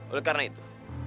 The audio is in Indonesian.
oleh karena itu